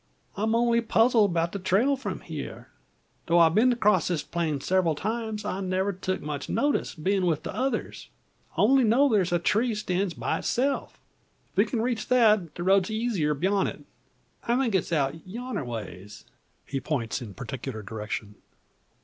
I'm only puzzled 'bout the trail from here. Tho' I've been accrost this plain several times, I never took much notice, bein' with the others, I only know there's a tree stands by itself. If we can reach that, the road's easier beyont. I think it's out yonnerways." He points in particular direction.